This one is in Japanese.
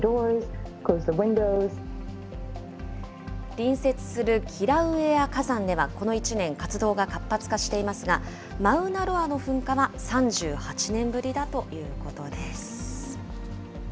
隣接するキラウエア火山では、この１年、活動が活発化していますが、マウナロアの噴火は３８年ぶりだということです。